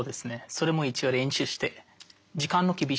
それも一応練習して時間の厳しさ。